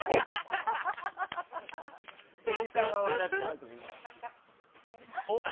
おじさんは笑ってますけど。